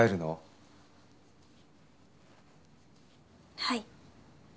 はい。